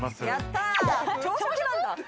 やった！